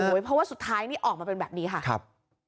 เพราะว่าสุดท้ายนี่ออกมาเป็นแบบนี้ค่ะครับ